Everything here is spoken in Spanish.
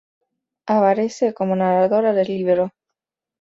Aparece como narradora del libro.